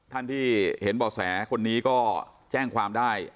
ท่านที่เห็นบ่อแสคนนี้ก็แจ้งความได้